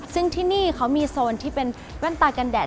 ซึ่งที่นี่เขามีโซนที่เป็นแว่นตากันแดด